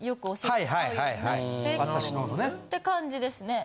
って感じですね。